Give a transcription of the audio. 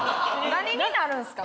何になるんですか？